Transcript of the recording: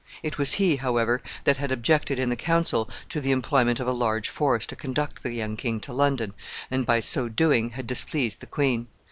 It was he, however, that had objected in the council to the employment of a large force to conduct the young king to London, and, by so doing, had displeased the queen.